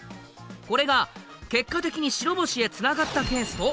これが結果的に白星へつながったケースと。